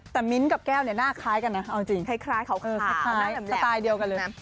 แต่มิ้นท์กับแก้วเนี่ยหน้าคล้ายกันนะเอาจริงสไตล์เดียวกันเลยนะ